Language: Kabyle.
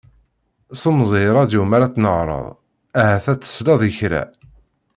Semẓi i radyu mi ara tnehreḍ, ahat ad tesleḍ i kra.